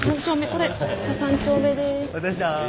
これ３丁目です。